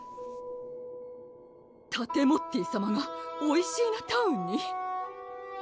タテモッティさまがおいしーなタウンに？